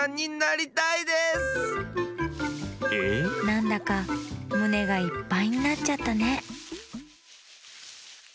なんだかむねがいっぱいになっちゃったね